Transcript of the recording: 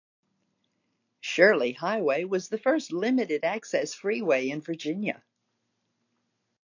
Shirley Highway was the first limited-access freeway in Virginia.